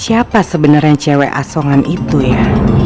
siapa sebenarnya cewek asongan itu ya